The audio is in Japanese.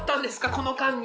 この間に。